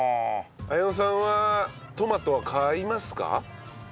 彩乃さんはトマトは買いますか？